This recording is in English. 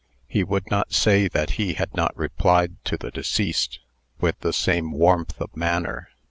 He would not say that he had not replied to the deceased with some warmth of manner.